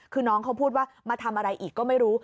คือน้องเขาพูดว่ามาทำอะไรอีกก็ไม่รู้